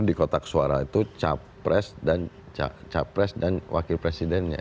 di kotak suara itu capres dan wakil presidennya